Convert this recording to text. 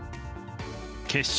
決勝